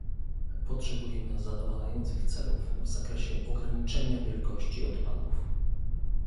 Potrzebujemy zadowalających celów w zakresie ograniczenia wielkości odpadów